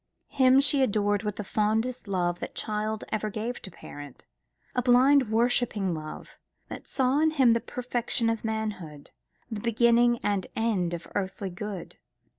Him she adored with the fondest love that child ever gave to parent: a blind worshipping love, that saw in him the perfection of manhood, the beginning and end of earthly good.